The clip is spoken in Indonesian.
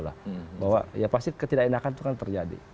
bahwa ya pasti ketidakenakan itu kan terjadi